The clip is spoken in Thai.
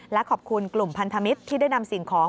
และขอบคุณกลุ่มพันธมิตรที่ได้นำสิ่งของ